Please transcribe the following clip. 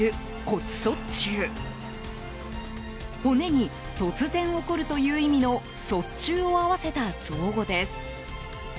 骨に、突然起こるという意味の卒中を合わせた造語です。